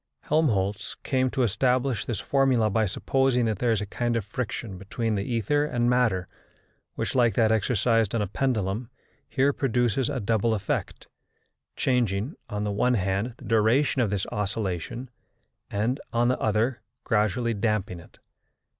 Helmholtz came to establish this formula by supposing that there is a kind of friction between the ether and matter, which, like that exercised on a pendulum, here produces a double effect, changing, on the one hand, the duration of this oscillation, and, on the other, gradually damping it.